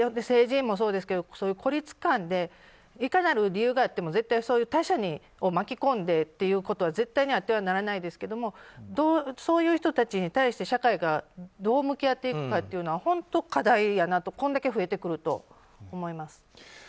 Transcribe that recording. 成人もそうですけど、孤立感でいかなる理由があっても絶対に他者を巻き込んでということはあってはならないですけどもそういう人たちに対して社会がどう向き合っていくかは本当、課題やなとこんだけ増えてくると思います。